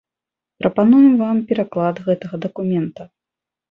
Прапануем вам пераклад гэтага дакумента.